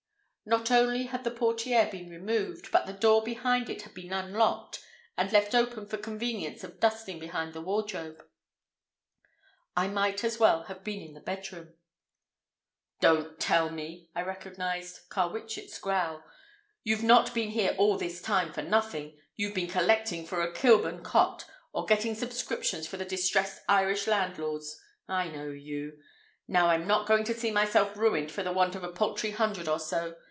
Not only had the portière been removed, but the door behind it had been unlocked and left open for convenience of dusting behind the wardrobe. I might as well have been in the bedroom. "Don't tell me," I recognized Carwitchet's growl. "You've not been here all this time for nothing. You've been collecting for a Kilburn cot or getting subscriptions for the distressed Irish landlords. I know you. Now I'm not going to see myself ruined for the want of a paltry hundred or so.